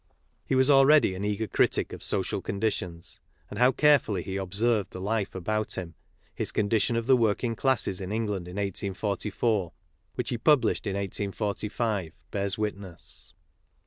He was already an eager critic of social conditions, and how carefully he observed the life about him, his Condition of the Work ing Classes in England in 1844, which he published in 1845, bears witness.